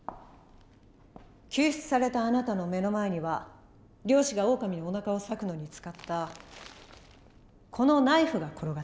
救出されたあなたの目の前には猟師がオオカミのおなかを裂くのに使ったこのナイフが転がっていた。